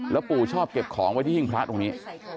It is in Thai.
ปู่ชอบเก็บของไว้ที่หิ้งพระตรงนี้